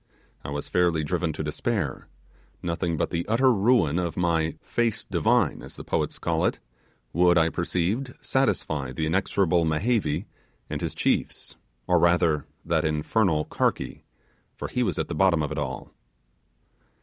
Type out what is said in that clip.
I was fairly driven to despair; nothing but the utter ruin of my 'face divine', as the poets call it, would, I perceived, satisfy the inexorable Mehevi and his chiefs, or rather, that infernal Karky, for he was at the bottom of it all.